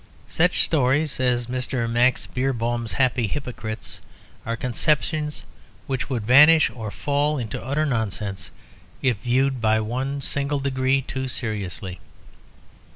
Such stories as Mr. Max Beerbohm's "Happy Hypocrite" are conceptions which would vanish or fall into utter nonsense if viewed by one single degree too seriously.